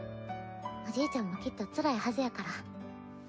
おじいちゃんもきっとつらいはずやから。